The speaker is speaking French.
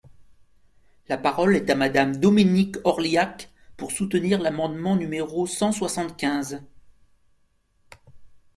La parole est à Madame Dominique Orliac, pour soutenir l’amendement numéro cent soixante-quinze.